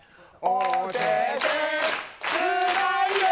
お手てつないで。